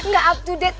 gak up to date